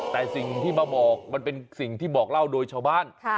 แต่สิ่งที่มาบอกมันเป็นสิ่งที่บอกเล่าโดยชาวบ้าน